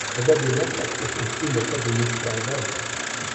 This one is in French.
Probablement parce que ceci n’est pas une histoire vraie.